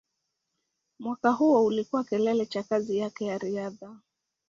Mwaka huo ulikuwa kilele cha kazi yake ya riadha.